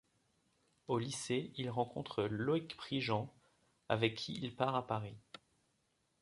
Au lycée, il rencontre Loïc Prigent, avec qui il part à Paris.